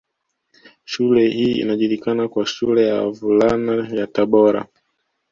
Shule hii inajulikana kwa shule ya Wavulana ya Tabora